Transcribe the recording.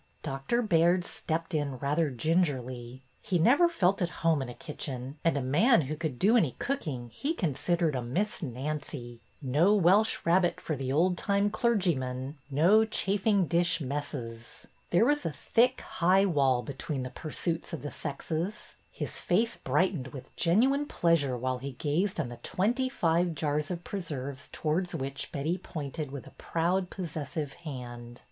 Dr. Baird stepped in rather gingerly. He never felt at home in a kitchen, and a man who could do any cooking he considered a Miss Nancy. "^aren't these too lovely for anything! EXCLAIMED BETTY — i 14 PRESERVES 115 No Welsh rabbit for the old time clergyman, no chafing dish messes. There was a thick, high wall between the pursuits of the sexes. His face brightened with genuine pleasure while he gazed on the twenty five jars of preserves towards which Betty pointed with a proud possessive hand.